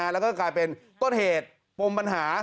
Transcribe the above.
แล้วก็กลายเป็นต้นเหตุปมปัญหา